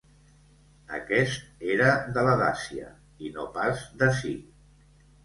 Aquest era de la Dàcia, i no pas d'ací.